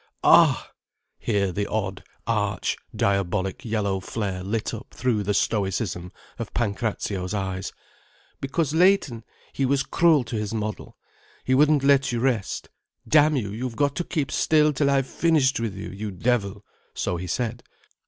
Ah!" Here the odd, arch, diabolic yellow flare lit up through the stoicism of Pancrazio's eyes. "Because Leighton, he was cruel to his model. He wouldn't let you rest. 'Damn you, you've got to keep still till I've finished with you, you devil,' so he said.